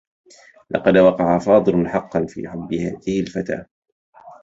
لقد وقع فاضل حقّا في حبّ هذه الفتاة.